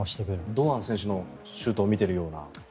堂安選手のシュートを見ているような。